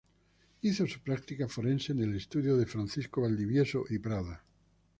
Hizo su práctica forense en el estudio de Francisco Valdivieso y Prada.